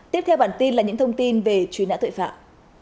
tiếp theo bản tin là những thông tin về truy nã tội phạm